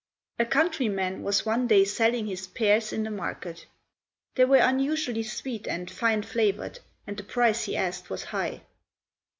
A countryman was one day selling his pears in the market. They were unusually sweet and fine flavoured, and the price he asked was high.